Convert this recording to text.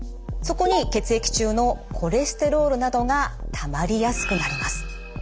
そこに血液中のコレステロールなどがたまりやすくなります。